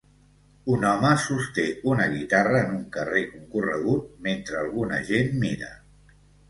Un home sosté una guitarra en un carrer concorregut mentre alguna gent mira.